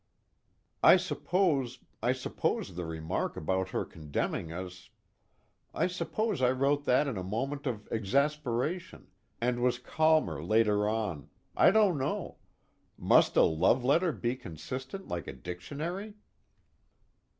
"I suppose I suppose the remark about her condemning us I suppose I wrote that in a moment of exasperation, and was calmer later on. I don't know must a love letter be consistent like a dictionary?"